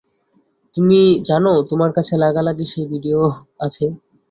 তুমি জানো, তোমার কাছে লাগালাগির সেই ভিডিও আছে।